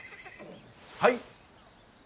はい？